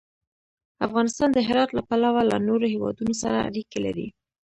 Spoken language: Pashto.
افغانستان د هرات له پلوه له نورو هېوادونو سره اړیکې لري.